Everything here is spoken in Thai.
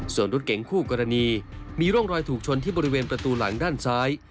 ส่วนรถเก๋งคู่กรณีมีร่องรอยถูกชนที่บริเวณประตูหลังด้านซ้าย